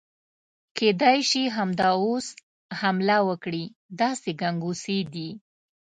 کېدای شي همدا اوس حمله وکړي، داسې ګنګوسې دي.